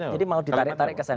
jadi mau ditarik tarik ke sana